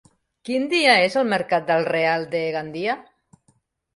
Quin dia és el mercat del Real de Gandia?